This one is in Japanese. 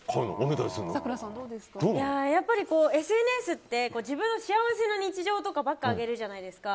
やっぱり、ＳＮＳって自分の幸せな日常ばっか上げるじゃないですか。